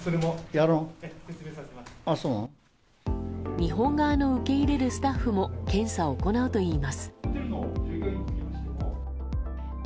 日本側の受け入れるスタッフも検査を行うといいます。